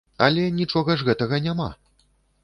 Але нічога ж гэтага няма.